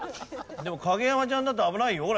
でも影山ちゃんだって危ないよこれ。